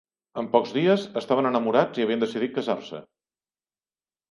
En pocs dies, estaven enamorats i havien decidit casar-se.